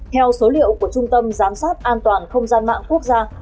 theo số liệu của trung tâm giám sát an toàn không gian mạng quốc gia